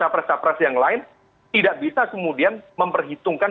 karena tawapres tawapres yang lain tidak bisa kemudian memperhitungkan